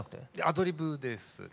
アドリブですね。